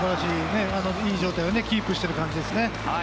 いい状態をキープしている感じですね。